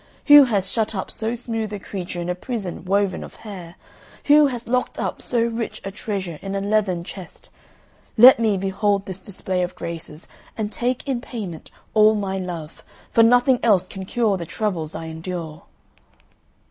Who has shut up so smooth a creature in a prison woven of hair? Who has locked up so rich a treasure in a leathern chest? Let me behold this display of graces, and take in payment all my love; for nothing else can cure the troubles I endure."